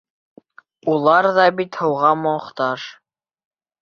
Улар ҙа бит һыуға мохтаж.